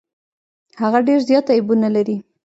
هغه ډیر زيات عيبونه لري.